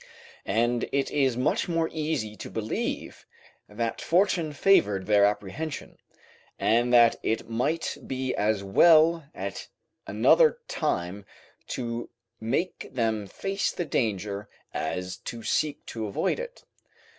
And it is much more easy to believe that fortune favoured their apprehension, and that it might be as well at another time to make them face the danger, as to seek to avoid it.